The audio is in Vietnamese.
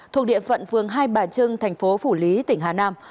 thuộc địa phận phường hai bà trưng thành phố phủ lý tỉnh hà nam